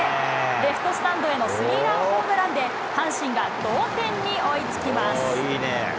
レフトスタンドへのスリーランホームランで阪神が同点に追いつきます。